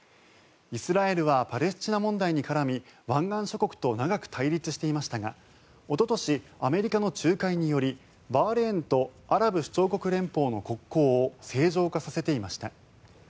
イスラエルはパレスチナ問題に絡み湾岸諸国と長く対立していましたがおととしアメリカの仲介によりバーレーンとアラブ首長国連邦との国交を正常化させていました。